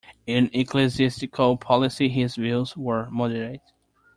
In ecclesiastical policy his views were moderate.